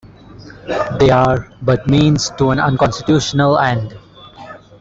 They are but means to an unconstitutional end.